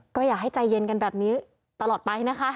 ก็อยากให้ใจเย็นกันแบบนี้ตลอดไปนะคะ